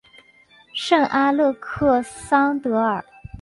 圣阿勒克桑德尔。